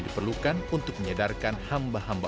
diperlukan untuk menyadarkan hamba hamba